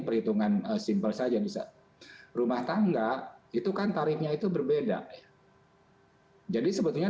perhitungan simpel saja bisa rumah tangga itu kan tarifnya itu berbeda jadi sebetulnya